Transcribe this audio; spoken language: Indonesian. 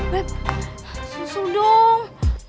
beb susul dong